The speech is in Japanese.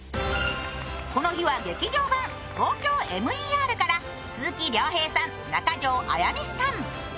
この日は「劇場版ＴＯＫＹＯＭＥＲ」から鈴木亮平さんから中条あやみさん。